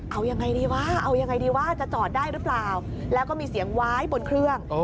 เอายังไงดีวะเอายังไงดีว่าจะจอดได้หรือเปล่าแล้วก็มีเสียงว้ายบนเครื่อง